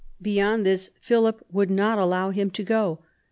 Beyond this Philip would not allow him to go.